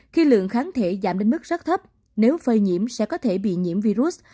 khi lượng kháng thể giảm đến mức rất thấp nếu phơi nhiễm sẽ có thể bị nhiễm virus